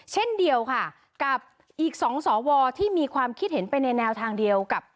เช่นเดียวค่ะกับอีก๒สวที่มีความคิดเห็นไปในแนวทางเดียวกับ